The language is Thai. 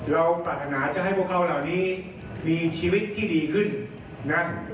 ปรารถนาจะให้พวกเขาเหล่านี้มีชีวิตที่ดีขึ้นนะ